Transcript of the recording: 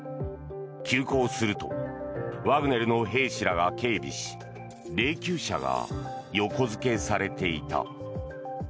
急行するとワグネルの兵士らが警備し霊きゅう車が横付けされていた。